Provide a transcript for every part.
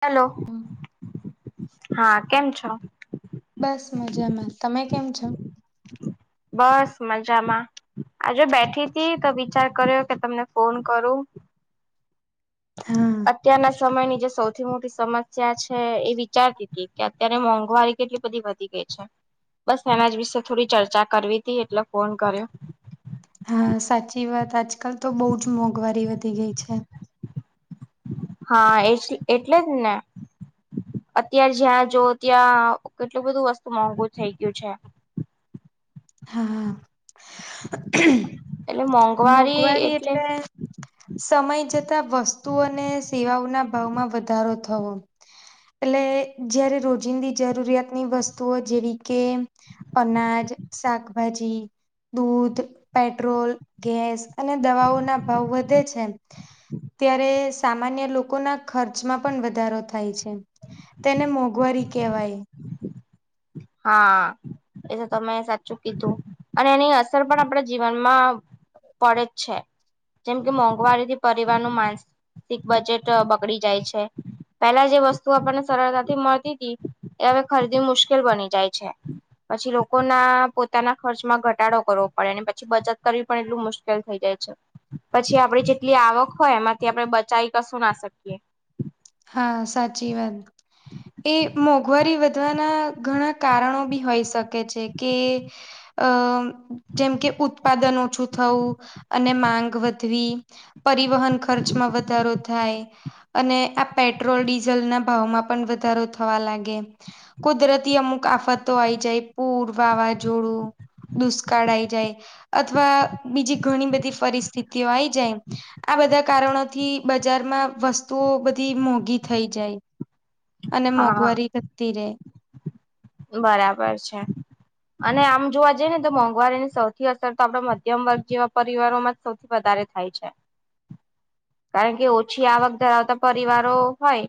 Hello હા કેમ છો? બસ મજામાં તમે કેમ છો? બસ મજામાં. આજો બેઠી તી તો વિચાર કર્યો કે તમને ફોન કરું હા અત્યારના સમયની જે સૌ મોટી સમસ્યા છે એ વિચારતી તી કે અત્યારે મોંઘવારી કેટલી બધી વધી ગઈ છે. બસ એના જ વિશે થોડી ચર્ચા કરવી તી એટલે ફોન કર્યો. હા સાચી વાત આજકાલ તો બહુ જ મોંઘવારી વધી ગઈ છે. હા એ છે એટલે જ ને અત્યારે જ્યાં જોવો ત્યાં કેટલું બધું વસ્તુ મોંઘુ થઇ ગ્યુ છે. હા મોંઘવારી એટલે સમય જતા વસ્તુઓને સેવાઓના ભાવમાં વધારો થવો એટલે જયારે રોજિંદી જરૂરિયાતની વસ્તુઓ જેવી કે અનાજ શાકભાજી દૂધ પેટ્રોલ ગેસ અને દવાઓ ના ભાવ વધે છે. ત્યારે સામાન્ય લોકોના ખર્ચમાં પણ વધારો થાય છે. તેને મોંઘવારી કહેવાય. હા. એ તો તમે સાચું કીધું અને એની અસર પણ આપણા જીવનમાં. પડે જ છે જેમ કે મોંઘવારીથી પરિવાર નું મા સીક બજેટ બગડી જાય છે. પેલા જે વસ્તુ આપણને સરળતાથી મળતી તી એ હવે ખરીદી મુશ્કેલ બની જાય છે. પછી લોકો ના પોતાના ખર્ચમાં ઘટાડો કરવો પડે અને પછી બચત કરવી પણ એટલું મુશ્કેલ થઈ જાય છે. પછી આપડી જેટલી આવક હોય એમાંથી આપણે બચાવ કશું ના શકીએ. હા સાચી વાત. એ મોંઘવારી વધવાના ઘણા કારણો બી હોઈ શકે છે કે, અ જેમ કે ઉત્પાદન ઓછું થવું અને માંગ વધવી. પરિવહન ખર્ચમાં વધારો થાય અને આ પેટ્રોલ ડીઝલ ના ભાવ માં પણ વધારો થવા લાગે. કુદરતી અમુક આફતો આયી જાય પૂર વાવાઝો દુષ્કાળ આઈ જાય અથવા બીજી ઘણી બધી પરિસ્થિતિઓ આઈ જાય. આ બધા કારણોથી બજારમાં વસ્તુઓ બ ધી મોંઘી થઈ જાય અને હા. મોંઘવારી વધતી રે. બરાબર છે. અને આમ જોવા જઈએ ને તો મોંઘવારીની સૌથી અસર તો આપડા મધ્યમ વર્ગ જેવા પરિવારોમાં. સૌથી વધારે થાય છે. કારણ કે ઓછી આવક ધરાવતા પરિવારો હોય.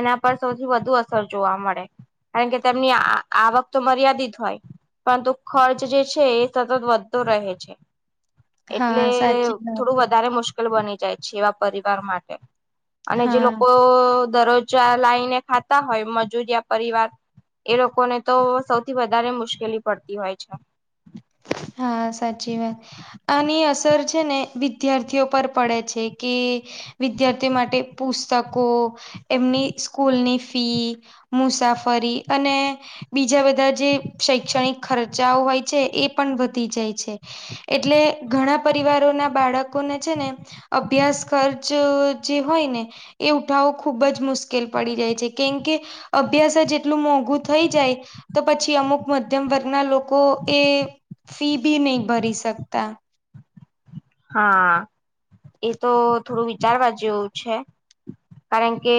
એના પર સૌથી વધુ અસર જોવા મળે કારણ કે તેમની આ આવક તો મર્યાદિત હોય. પરંતુ ખર્ચ જે છે એ સતત વધતો રહે છે. હા એટલે સાચી વાત થોડું વ વધારે મુશ્કેલ બની જાય છે એવા પરિવાર માટે અને જે હા લોકો દર ચા લાઈ ને ખાતા હોય મજૂરિયા પરિવાર. એ લોકોને તો સૌથી વધારે મુશ્કેલી પડતી હોય છે. હા સાચી વાત. આની અસર છે ને વિદ્યાર્થીઓ પર પડે છે કે, વિદ્યાર્થીઓ માટે પુસ્તકો, એમની સ્કૂલની ફી મુસાફરી અને, બીજા બધા જે શૈક્ષણિક ખર્ચાઓ હોય છે એ પણ વધી જાય છે. એટલે ઘણા પરિવારો ના બાળકોને છે ને. અભ્યાસ ખર્ચ જે હોય ને, એ ઉઠાવવો ખુબ જ મુશ્કેલ પડી જાય છે કેમ કે, અભ્યાસ જ એટલું મોંઘું થઈ જાય. તો પછી અમુક મધ્યમ વર્ગના લોકો એ ફી બી નહી ભરી શકતા. હા એ તો થોડું વિચારવા જેવું છે. કારણ કે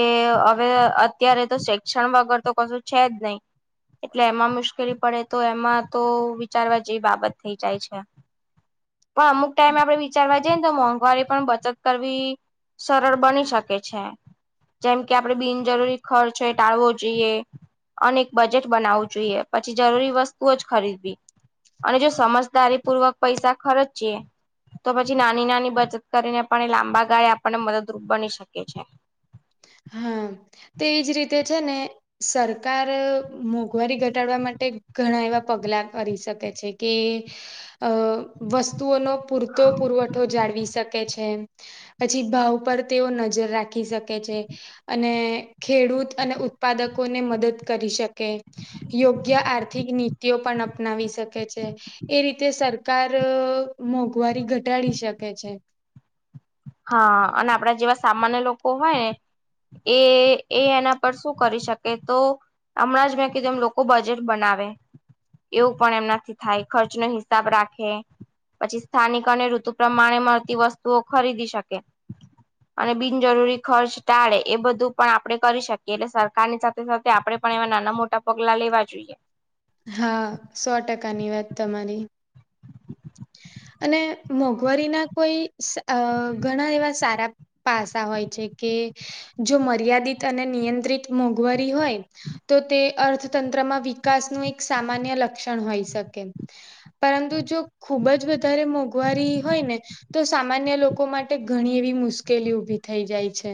હવે અત્યારે તો શિક્ષણ વગર તો કશું છે જ નહી. એટલે એમાં મુશ્કેલી પડે તો એમાં તો વિચારવા જેવી બાબત થઈ જાય છે. હા અમુક ટાઈમે. આપણે વિચારવા જઈને તો મોંઘવારી પણ બચત કરવી સરળ બની શકે છે. જેમ કે આપડણે બિનજરૂરી ખર્ચ એ ટાળવો જોઈએ. અને એક બજેટ બનાવવું જોઈએ પછી જરૂરી વસ્તુ જ ખરીદવી. અને જો સમજદારી પૂર્વક પૈસા ખર્ચ યે તો પછી નાની નાની બચત કરીને પણ એ લાંબા ગાળે આપણને મદદરૂપ બની શકે છે. હા, તેજ રીતે છે ને સરકાર મોંઘવારી ઘટાડવા માટે ઘણા એવા પગલા કરી શકે છે કે અહ વસ્તુઓનો પૂરતો પુરવઠો જાળવી શકે છે. પછી ભાવ પર તેઓ નજર રાખી શકે છે. અને ખેડૂત અને ઉત્પાદકોને મદદ કરી શકે યોગ્ય આર્થિક નીતિઓ પણ અપનાવી શકે છે. એ રીતે સરકાર અહ મોંઘવારી ઘટાડી શકે છે. હા અને આપડા જેવા સામાન્ય લોકો હોય એ એ એના પર શું કરી શકે તો હમણાં જ મેં કીધું એમ લોકો બજેટ બનાવે એવું પણ એમનાથી થાય ખર્ચ નો હિસાબ રાખે પછી સ્થાનિકોને ઋતુ પ્રમાણે મળતી વસ્તુઓ ખરીદી શકે. અને બિનજરૂરી ખર્ચ ટાળે એ બધું પણ આપડે કરી શકીએ એટલે સરકારની ની સાથે આપડે પણ એવા નાના મોટા પગલા લેવા જોઈએ. હા સો ટકાની વાત તમારી. અને મોંઘવારી ના કોઈ સ અહ ઘણા એવા સારા પાસા હોય છે કે જો મર્યાદિત અને નિયંત્રિત મોંઘવારી હોય તો તે અર્થતંત્રમાં વિકાસનું એક સામાન્ય લક્ષણ હોઈ શકે. પરંતુ જો ખુબ જ વધારે મોંઘવારી હોય ને તો સામાન્ય લોકો માટે ઘણી એવી મુશ્કેલી ઊભી થઈ જાય છે.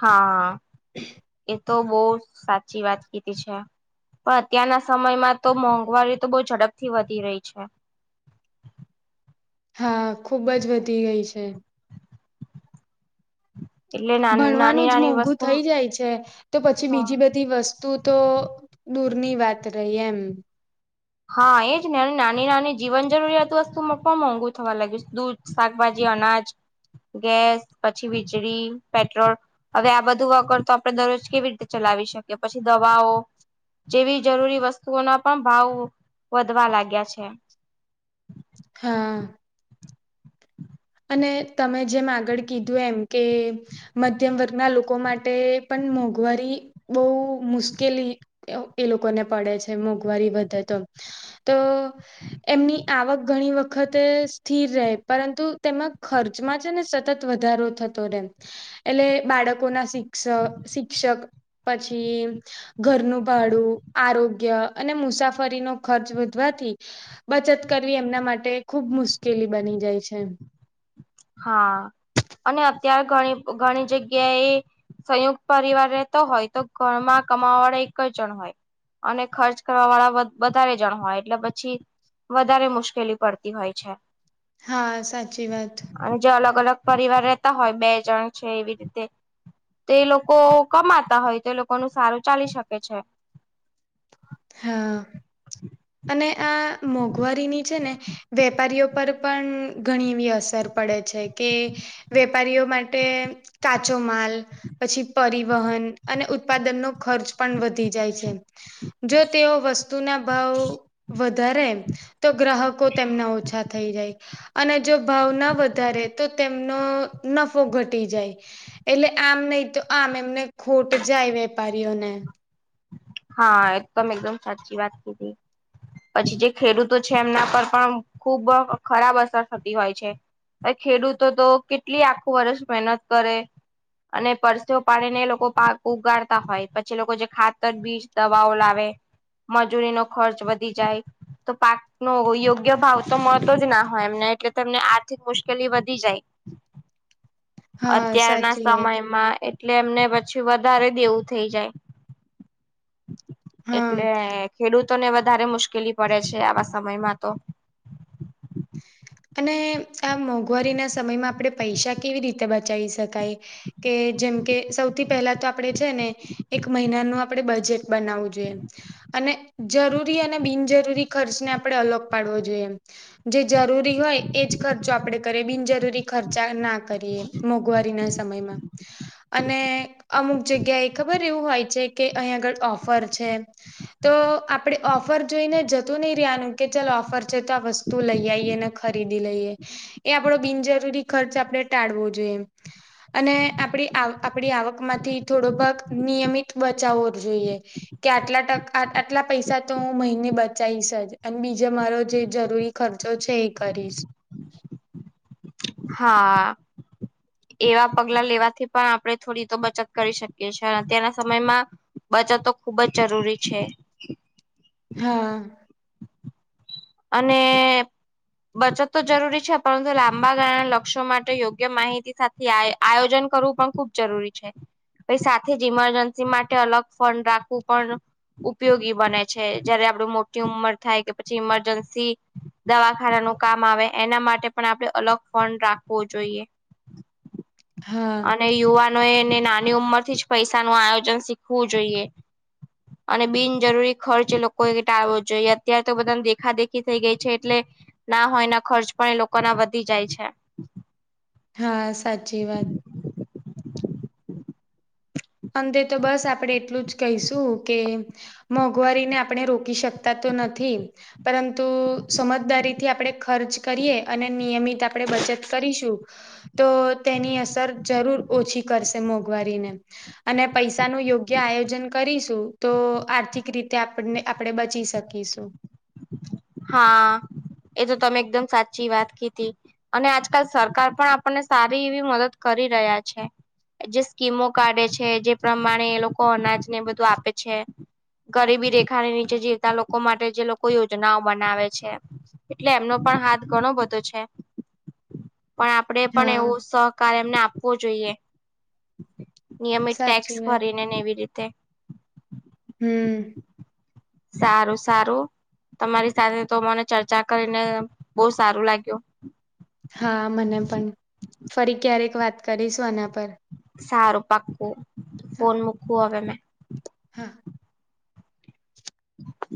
હા. [unintelligible] એ તો બહુ સાચી વાત કીધી છે આ. પણ અત્યારના સમયમાં તો મોંઘવારી તો બહુ ઝડપથી વધી રહી છે. હા ખુબ જ વધી ગઈ છે. એટલે નાની ભણવાનું જ નાની મોંઘું વસ્તુ થઈ જાય છે તો પછી હા બીજી બધ બધી વસ્તુ તો દૂરની વાત રહી એમ. હા એજ ને અને નાની નાની જીવન જરૂરિયાત વસ્તુ માં પણ મોંઘુ થવા લાગ્યું દૂધ શાકભાજી અનાજ ગેસ પછી વીજળી પેટ્રોલ હવે આ બધું વગર તો આપણે દરરોજ કેવી રીતે ચલાવી શકીએ પછી દવાઓ જેવી જરૂરી વસ્તુઓના પણ ભાવ વધવા લાગ્યા છે. હા. અને તમે જેમ આગળ કીધું એમ કે મધ્યમ વર્ગના લોકો માટે પણ મોંઘવારી બહુ મુશ્કેલી એ લોકોને પડે છે મોંઘવારી વધે તો. તો એમની આવક ઘણી વખતે સ્થિર રહે પરંતુ તેમાં ખર્ચમાં છે ને સતત વધારો થતો રેમ એટલે બાળકો ના શિક્ષ શિક્ષક પછી ઘરનું ભાડું આરોગ્ય અને મુસાફરીનો ખર્ચ વધવાથી બચત કરવી એમના માટે ખુબ મુશ્કેલી બની જાય છે. હા અને અત્યારે ઘણી ઘણી જગ્યાએ સંયુક્ત પરિવાર રહેતો હોય તો ઘરમાં કમાવા વાળા એક જ જણ હોય. અને ખર્ચ કરવા વાળા વધારે જણ હોય એટલે પછી વધારે મુશ્કેલી પડતી હોય છે. હા, સાચી વાત. અને જે અલગ અલગ પરિવાર રહેતા હોય બે જણ છે એવી રીતે તો એ લોકો કમાતા હોય તો એ લોકો ન સારું ચાલી શકે છે. હા અને આ મોંઘવારીની છે ને વેપારીઓ પર પણ ઘણી એવી અસર પડે છે કે વેપારીઓ માટે કાચો માલ પછી પરિવહન અને ઉત્પાદનનો ખર્ચ પણ વધી જાય છે. જો તેઓ વસ્તુ ના ભાવ વધારે એમ તો ગ્રાહકો તેમના ઓછા થઈ જાય. અને જો ભાવ ના વધારે તો તેમનો નફો ઘટી જાય. એટલે આમ નહી તો આમ એમને ખોટ જાય વેપારીઓને. હા એકદમ એકદમ સાચી વાત કીધી. પછી જે ખેડૂતો છે એમના પર પણ ખુબ ખરાબ અસર હોય છે. ખેડૂતો તો કેટલી આખું વર્ષ મહેનત કરે. અને પરસેઓ પાડીને એ લોકો પાક ઉગાડતા હોય પછી લોકો જે ખાતર બીજ દવાઓ લાવે, મજૂરી નો ખર્ચ વધી જાય તો પાક નો યોગ્ય ભાવ તો મળતો જ ના હોય એમને એટલે તમને આર્થિક મુશ્કેલી વધી જાય. હા અત્યારના સાચી વાત સમયમાં એટલે એમને પછી વધારે ડી એવું થઈ જાય. હા. એટલે ખેડૂતોને વધારે મુશ્કેલી પડે છે આવા સમયમાં તો. અને આ મોંઘવારીના સમયમાં આપણે પૈસા કેવી રીતે બચાવી શકાય? કે જેમ કે સૌથી પહેલા તો આપણેે છે ને એક મહિનાનું આપણેે બજેટ બનાવવું જોઈએ. અને જરૂરી અને બિનજરૂરી ખર્ચને આપણે અલગ પાડવો જોઈએ. જે જરૂરી રી હોય એજ ખર્ચો આપડે કરીએ, બિનજરૂરી ખર્ચા ના કરીએ, મોંઘવારી ના સમયમાં અને અમુક જગ્યા એ ખબર એવું હોય છે કે અહીંયા આગળ ઓફર છે. તો આપડે ઓફર જોઈને જતું નહી રેવાનું કે ચાલ ઓફર છે તો વસ્તુ લઈ આઇએને ખરીદી લઈએ એ આપડો બિનજરૂરી ખર્ચ આપણે ટાળવો જોઈએ એમ. અને આપણી આપણી આવક માંથી થોડો ભાગ નિયમિત બચાવો જોઈએ. કે આટલા ટકા આટલા પૈસા તો હું મહિને બચાવીશ જ અને બીજો મારો જે જરૂરી ખર્ચો છે એ કરીશ. હા. એવા પગલા લેવાથી પણ આપણે થોડી તો બચત કરી શકીએ છીએ અત્યારના સમયમાં બચત તો ખુબ જ જરૂરી છે. હા. અને બચત તો જરૂરી છે, પરંતુ લાંબા ગાળા લક્ષ્યો માટે યોગ્ય માહિતી સા આયોજન કરવું પણ ખુબ જરૂરી છે. પ સાથે જ ઈમરજન્સી માટે અલગ ફંડ રાખવું પણ ઉપયોગી બને છે, જયારે આપડું મોટી ઉંમર થાય કે પછી ઉંમર જન્સી દવાખાનાનું કામ આવે એના માટે પણ આપણે અલગ ફંડ રાખવો જોઈએ. હા અને યુવાનો એને નાની ઉંમર થી જ પૈસાનું આયોજન શીખવું જોઈએ. અને બિનજરૂરી ખર્ચ એ લોકો એ ટાળવો જોઈએ અત્યારે તો બધા તો દેખા દેખી થઈ ગઈ છે, એટલે ના હોયના ખર્ચ પણ ઈ લોકો ના વધી જાય છે. હા સાચી વાત અંત તો બસ આપણેે એટલું જ કહીશું કે મોંઘવારીને આપણે રોકી શકતા તો નથી પરંતુ, સમજદારીથી આપણે ખર્ચ કરીએ અને નિયમિત આપણે બચત કરીશું. [inaudible] તૉ તેની અસર જરૂર ઓછી કરશે મોંઘવારીને. અને પૈસાનું યોગ્ય આયોજન કરીશું. તો આર્થિક રીતે આપને આપણે બચી શકીશું. હા એ તો તમે એકદમ સાચી વાત કીધી અને આજકાલ સરકાર પણ આપણને સારી એવી મદદ કરી રહ્યા છે. જે સ્કીમો કાઢે છે જે પ્રમાણે એ લોકો અનાજને બધું આપે છે. ગરીબી રેખા ને નીચે જીવતા લોકો માટે જે લોકો કોઈ યોજનાઓ બનાવે છે, એટલે એમનો પણ હાથ ઘણો બધો છે. પણ આપને પણ હા એવું સહકાર એમને આપવો જોઈએ. નિયમિત ટેક્સ સાચી વાત ભરીને ને એવી રીતે હમ્મ. સારુ સારુ. તમારી સાથે તો મને ચર્ચા કરીને બહુ સારું લાગ્યું. હા, મને પણ ફરી ક્યારેક વાત કરીશું આના પર સારુ પાક્કું ફોન મૂકુ હવે મેં હમ્મ. [inaudible]